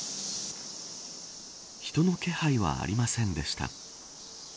人の気配はありませんでした。